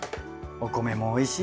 お米もおいしい。